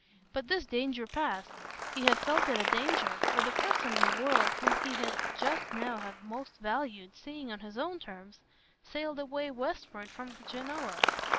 But this danger passed he had felt it a danger, and the person in the world whom he would just now have most valued seeing on his own terms sailed away westward from Genoa.